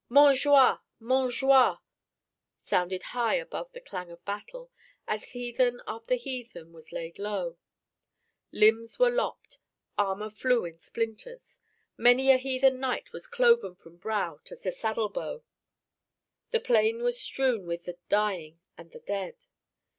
"Montjoie! Montjoie!" sounded high above the clang of battle, as heathen after heathen was laid low. Limbs were lopped, armor flew in splinters. Many a heathen knight was cloven from brow to saddle bow. The plain was strewn with the dying and the dead.